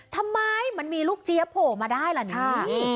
ทำไมมันมีลูกเจี๊ยโผล่มาได้ล่ะนี่